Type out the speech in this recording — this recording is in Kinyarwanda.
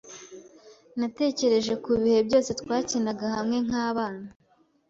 Natekereje kubihe byose twakinaga hamwe nkabana.